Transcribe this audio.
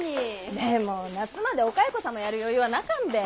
でも夏までお蚕様やる余裕はなかんべぇ。